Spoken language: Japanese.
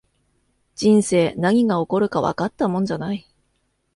人生、何が起こるかわかったもんじゃない